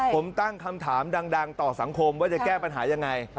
ผมตั้งคำถามดังต่อสังคมว่าจะแก้ปัญหายังไง